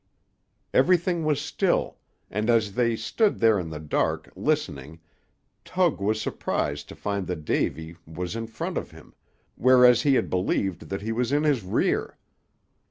Everything was still; and as they stood there in the dark, listening, Tug was surprised to find that Davy was in front of him, whereas he had believed that he was in his rear.